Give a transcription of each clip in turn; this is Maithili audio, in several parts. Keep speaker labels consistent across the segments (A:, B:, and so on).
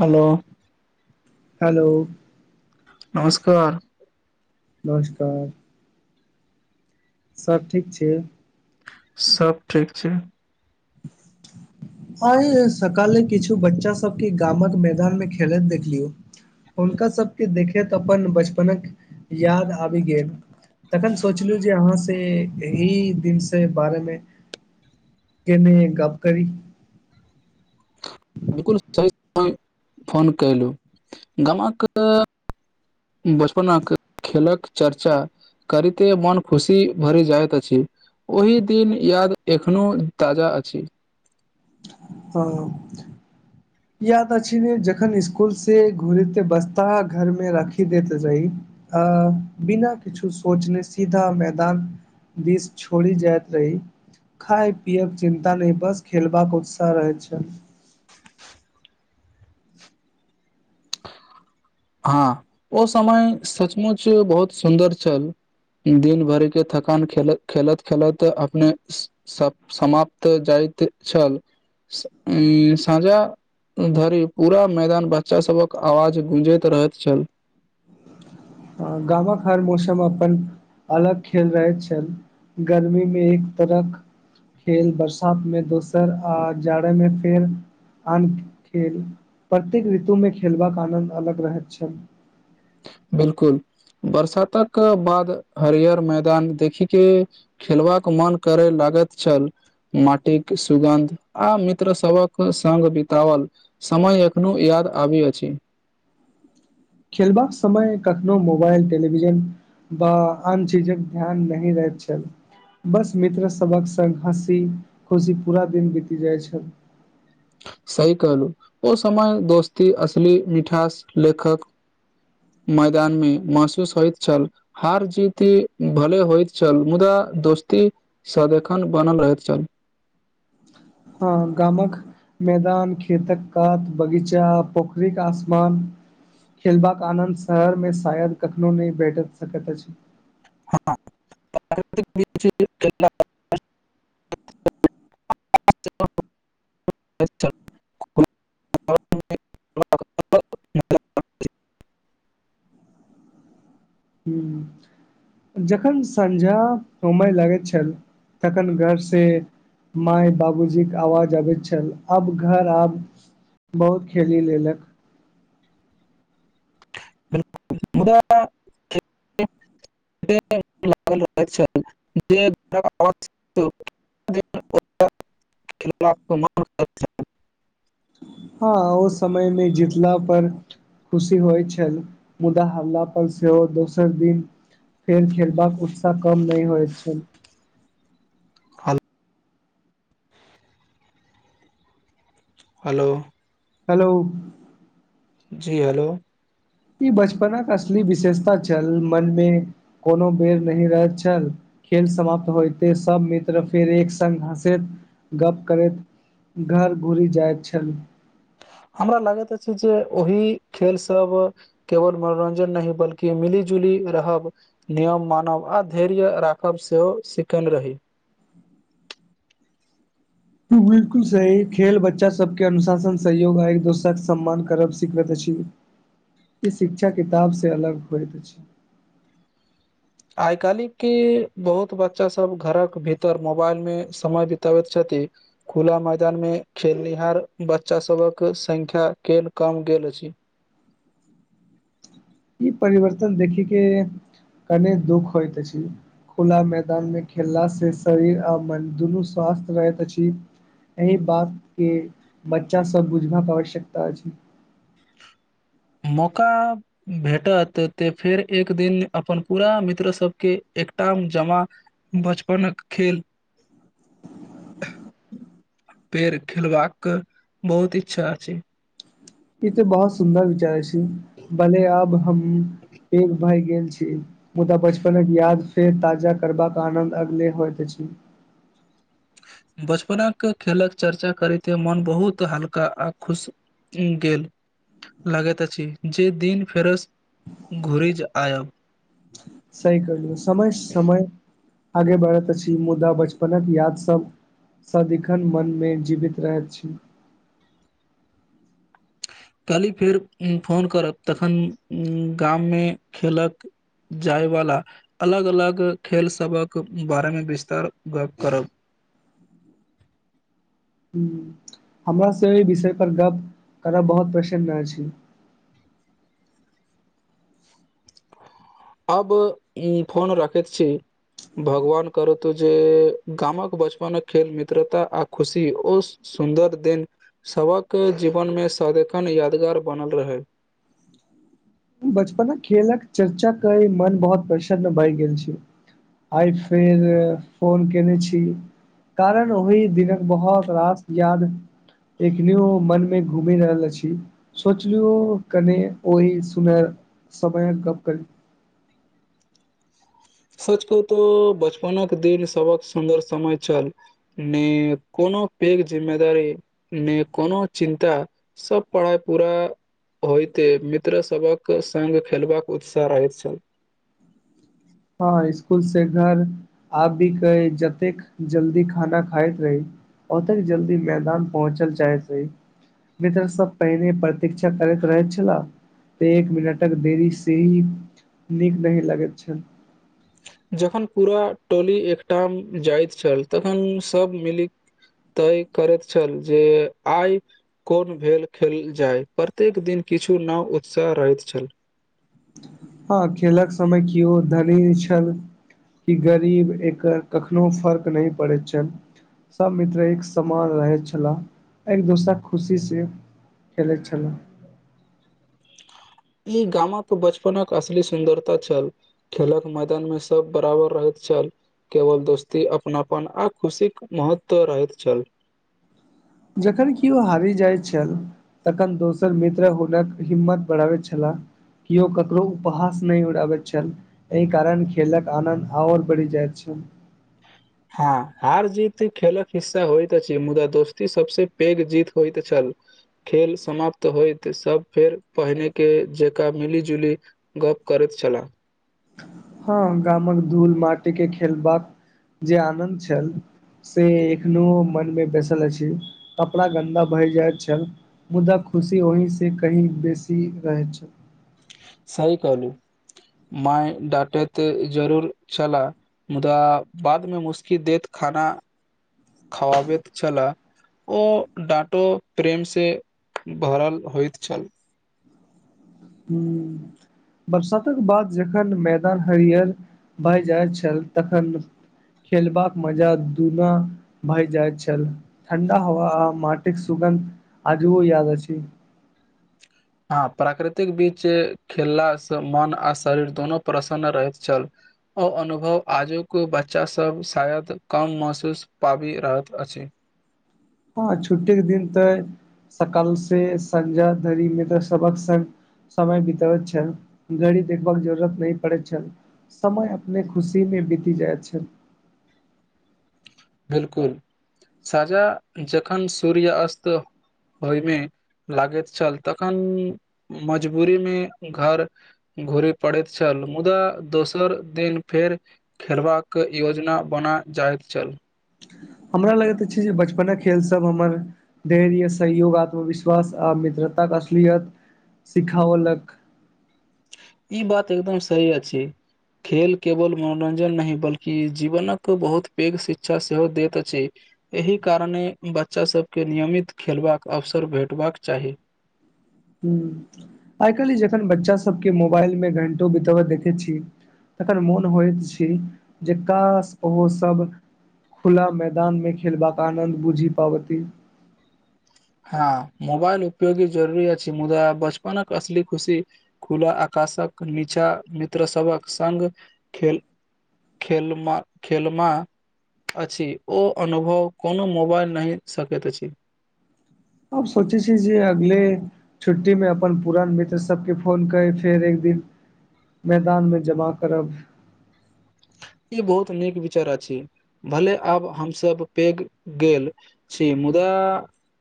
A: Hello
B: hello.
A: नमस्कार।
B: नमस्कार। सभ ठीक छय
A: सभ ठीक छै
B: [inaudible] आय सकाले किछु बच्चा सभके गाम कऽ मैला मे खेलैत देखलियइ हुनका सभके देखैत अपन बचपनकऽ याद आबि गेल तखन सोचलु जे अहाँ से एहि दिन से बारे मे केने गप करी।
A: बिल्कूल सही फोन कलु गाम कऽ बचपनक खेल कऽ चर्चा करि ते मन खुशी भरि जाइत अछि ओहि दिन याद ऐखनो ताजा अछि
B: हं याद अछि ने जखन स्कूल से घुरते बस्ता घर में राखी देैत रही अ बिना किछु सोचने सीधा मैदान बीस छोड़ी जाइत रही खाय पियके चिन्ता नहि बस खेलबाक उत्साह आ रहै छैल
A: हँ ओ समय सचमुच बहुत सुन्दर छल दिन भर के थकान खेलत खेलत खेलत अपने सब समाप्त जाइत छल साँझधरि पूरा मैदान बच्चा सभहक आवाज गूँजैत त रहइत छल
B: गामक हर मौसम अपन अलग खेल रहैत छेल गर्मी में एक तरहक़ खेल बरसात में दोसर आ जाड़े मे फेर आन खेल- प्रत्येक ऋतु मे खेलबाक आनन्द अलग रहैत छल
A: बिलकुल बरसातक बाद हरियर मैदान देखी के खेलबाक मोन करा लागैत छल माटिक सुगन्ध आ मित्र सभहक संग बितावल समय एखनो याद आबत अछि
B: खेलबाक समय कखनो मोबाइल टेलीविजन ब आन चीजक ध्यान नाहि रहैत छैल बस मित्र सभक सङ्ग हँसी खुशी पूरा दिन बीति जाइत छल
A: सही कहलहुं ओ समय दोस्ती असली मिठास लेखक मैदान मे महसूस होइत छल हार जीति भले होइत छल मुदा दोस्ती सदिखन बनल रहैत छल
B: हँ गामक मैदान खेतक कात बगीचा पोखरिक आसमान खेलबाक आनन्द शहरमे शायद कखनो नहि भेट सकैत अछि
A: [inaudible] [inaudible]
B: हूं जखन सँझा हुमइ लागैत छल तखन घरसँ माय बाबूजी के आवाज अबैत छल अब घर आब बहुत खेली लेलक
A: [inaudible] [inaudible] [inaudible] [inaudible]
B: हँ ओ समयमे जितला पर खुशी होइत छल मुदा हल्ला पर सेहो दोसर दिन फेर खेलबाक उत्साह कम नहि होइत छल
A: [unintelligible] हेलो
B: हेलो
A: जी हेलो
B: ई बचपनक असली विशेषता छल मन मे कोनो बेर नहि रहैत छल खेल समाप्त होयते सब मित्र फेर एक सङ्ग हसैत गप करैत घर घुरि जाइत छल
A: हमरा लागैत अछि जे ओहि खेल सभ केवल मनोरञ्जन नहि बल्कि मिली जुली रहब नियम मानब आ धैर्य राखब सेहो सिखल रही
B: बिलकुल सही खेल बच्चा सबके अनुशासन सहयोग आ एक दोसराके सम्मान करब सिखबैत अछि ई शिक्षा किताब से अलग होइत अछि
A: आइ काल्हि के बहुत बच्चा सभ घरक भीतर मोबाइल मे समय बिताबैत छथि खुला मैदान मे खेलनिहार बच्चा सभहक संख्या फेर कम गेल अछि
B: ई परिवर्तन देखी के कने दुःख होयइत अछि खुला मैदान मे खेलला से शरीर आ मन दुनू स्वस्थ रहैत अछि एहि बातके बच्चासभ के बुझबाक आवश्यकता अछि
A: मौका भेटत तऽ फेर एक दिन अपन पूरा मित्र सबके एकटामे जमा बचपनक खेल पेर खेलबाक बहुत इच्छा अछि
B: ई त बहुत सुन्दर विचार अछि भले आब हम भय गेल छी मुदा बचपनक याद फेर ताजा करबाक आनन्द अगले होइत अछि
A: बचपनक खेलक चर्चा करैते मोन बहुत हल्का आ खुश उ गेल लगैत अछि जे दिन फेरस घुरिज आयब
B: सही कहलु समय समय आगे बढ़ैत अछि मुदा बचपनक याद सब सदिखन मन में जीवित रहैत छी
A: कहली फेर फोन करब तखन गाम मे खेलक जायवला अलग अलग खेलसभक बारे में विस्तार गप करब
B: ह हमरा से अय विषय पर गप करब बहुत प्रसन्न अछि
A: अब फोन रखैत छी भगवान करतउ जे गामक बचपन खेल मित्रता आ खुशी ओ सुन्दर दिन सबक जीवन में सदखन यादगार बनल रहे
B: ह बचपन खेलक चर्चा कय मन बहुत प्रसन्न भए गेल छी आइ फेर फोन केने छी कारण ओहि दिनक बहुत रास याद एखनियो मन मे घूमे रहल छी सोचलु कने ओहि सुनय समय गप्प करी
A: सच कहो तो बचपनक दिन सबक सुन्दर समय छल ने कोनो पेघ जिम्मेदारी ने कोनो चिन्ता सब पढ़ाइ पूरा होइते मित्रसभक संग खेलबाक उत्साह रहैत छल
B: हँ स्कुल से घर आबिके जतेक जल्दी खाना खाइत रही ओतेक जल्दी मैदान पहुँचल जाय छैै मित्र सभ पहिने प्रतीक्षा करैत रहैत छलाह एक मिनटक देरी से ही नीक नहि लगैत छल
A: जखन पूरा टोली एकठा मे जाइत छल तखन सभ मीली तय करैत छल जे आई कोन भेल खेल जाय प्रत्येक दिन किछु नाव उत्साह रहैत छेल
B: ह खेलक समय किओ धनी छल कि गरीब एकर कखनो फर्क नहि पड़ैत छेल सभ मित्र एक समान रहैत छला एक दोसरा खुशी से खेलैत छलऊ।
A: ई गाम कऽ बचपन असली सुन्दरता छल खेलक मैदान मे सभ बराबर रहैत छल केवल दोस्ती अपनापन आ खुशीक महत्व रहैत छेल
B: जखन किओ हारि जाइत छल। तखन दोसर मित्र हुनक हिम्मत बढ़ाबैत छला। किओ करो उपहास नहि उराबैत छल एहि कारण खेलक आनन्द ओर बढ़ि जाइत छल [inaudible]
A: ह हार जीत खेलक हिस्सा होइत अछि मुदा दोस्ती सभसे पैघ जीत होयइत छल खेल समाप्त होयइत सभ फेर पहिने के जकाँ मिली जुली गप करैत छलाह।
B: हा गाम कऽ धूल माटिके खेलबाक जे आनन्द छल से एखनो मन मे बैसल अछि कपड़ा गन्दा भहि जाइत छल। मुदा खुशी ओहिसँ कही बेसी रहैत छल।
A: सही कहलू माय डाटे तऽ जरूर चला मुदा बाद मे मुसकि देत खाना खवाबैत चला ओ डाटो प्रेम से भरल होइत छल
B: हू। बरसातकऽ बाद जखन मैदान हरियर भए जाइत छल तखन खेलबाक मजा दुना भए जाइत छल ठण्डा हवा मटिक सुगन्ध आजबो याद अछि
A: ह प्राकृतिक बीच खेललासँ मन आ शरीर दुोनू प्रसन्न रहैत छल ओ अनुभव आजु के बच्चा सभ शायद कम महसूस पाबि रहत अछि।
B: ह छुट्टीके दिन तऽ सकालसँ सझा धरीमे तऽ सभके संगे समय बतब छैल घरी देखबाक जरूरत न पड़े छैल समय अपने खुशी मे बीति जाइत छै
A: बिल्कूल साजा जखन सूर्य अस्त ओहिमे लागैत छल तखन मजबूरी मे घर। घुरे पड़ैत छल मुदा दोसर दिन फेर। खेलबा कऽ योजना बना जाइत छल
B: हमरा लगैत छै जे बचपने खेल सभ हमर धैर्य सहयोग आत्मविश्वास आ मित्रता के असलियत सिखओल कऽ
A: ई बात एकदम सही अछि। खेल केवल मनोरंजन नहि बल्कि जीवन कऽ बहुत पैघ शिक्षा सेहो दैत अछि एहि कारणे बच्चा सभके नियमित खेलबाक अवसर भेटबाक चाही
B: हैं आइ काल्हि जखन बच्चासभके मोबाइलमे घण्टो बितबऽ देखैत छी तखन मोन होइत छी जे कास ओहो सभ खुला मैदान में खेल बाक आनन्द बुझि पावती
A: हँ मोबाईल उपयोगी जरुररी अछि मुदा बचपनक असली खुशी खुला आकाशक नीचा मित्र सबहक संग खेल खेल मा खेल मा अछि ओ अनुभव कोनो मोबाइल नै सकैत अछि
B: अब सोचे छ जे अगले छुट्टी में अपन पुरान मित्र सब केँ फोन कए फेर एक दिन मैदान में जमा करब
A: ई बहुत नीक विचारा छी भले आब हम सब पैघ गेल छी मुदा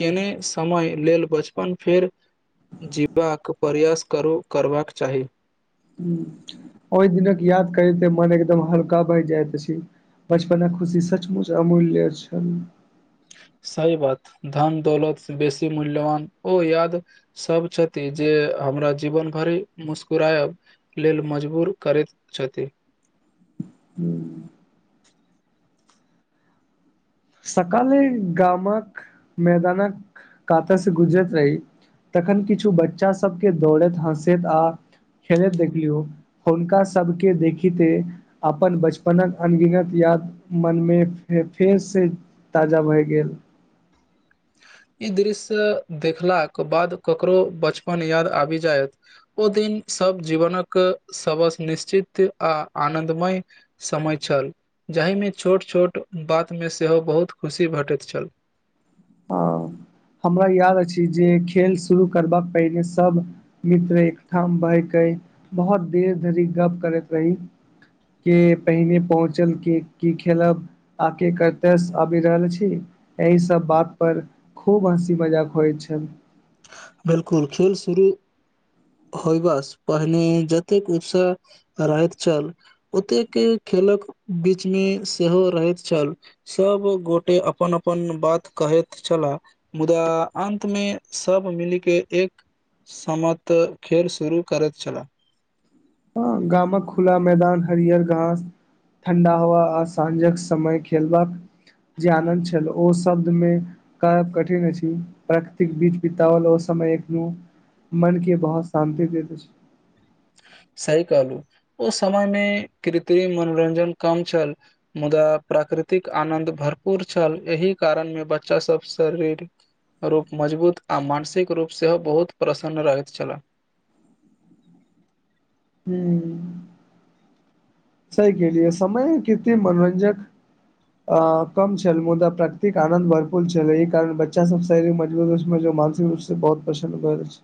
A: केने समय लेल बचपन फेर जीबाक प्रयास करू करबाक चाही
B: हुं [inaudible] ओइ दिनक याद करे मन एकदम हल्का भैई जाइत छै बचपन खुशी सचमुच अमूल छल
A: सही बात धन दौलत बेसी मूल्यवान ओ याद सभ छथि जे हमरा जीवन घरि मुस्कराएब लेल मजबूर करैत छथि
B: [unintelligible] सकाले गामक मैदानक कातै से गुजरैत रही तखन किछु बच्चा सब केँ दौड़ैत हँसैत आ खेलैत देखलियौ हुनका सभ केँ देखिते अपन बचपनक अनगिनत याद मन में फेर से ताजा भए गेल
A: ई दृश्य देखलाक कऽ बाद ककरो बचपन याद आबि जायत ओ दिन सब जीवनक सबस निश्चित आ आनन्दमय समय छल जाहिमे छोट छोट बातमे सेहो बहुत खुशी भेटैत छल
B: हँ हमरा याद अछि जे खेल शुरू करबाक पहिने सभ मित्र एक ठाम बहिके बहुत देर धरि गप करैत रही केँ पहिने पहुँचल केँ की खेलब आके कते आबि रहल छी एहि सब बात पर खूब हँसी मजाक होइ छल
A: बिल्कुल खेल शुरू होइबास पहिने जतेक उत्साह राहत छल ओतेक केँ खेलक बीच में सेहो रहैत छल सब गोटे अपन अपन बात कहैत छला मुदा अन्त में सभ मिलिक एक समत खेल शुरू करैत छलाह
B: अ गामक खुला मैदान हरिहर घास ठण्डा हवा आ साँझक समय खेलबाक जे आनन्द छल ओ शब्दमे कहब कठिन अछि प्रकृतिक बीज बितावल ओ समय एखनो मन केँ बहुत शान्ति देत अछि
A: सही कहलू ओ समय मे कृत्रिम मनोरंजन कम छल मुदा प्राकृतिक आनंन्द भरपूर छल एहि कारण मे बच्चा सब शरीर रूप मजबूत आ मानसिक रूप सेहो बहुत प्रसन्न रहैत छलाह
B: हू सही केहलिए समय कृत्रिम मनोरंजक अ कम छल मुदा प्रकृतिक आनन्द भरपूल छल ई कारण बच्चा सब शरीर मजबूतमे [unintelligible] सँ बहुत पसन्न्द भेल अछि